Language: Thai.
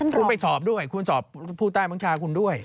คุณไปสอบด้วยคุณสอบผู้ใต้มังชาคุณด้วย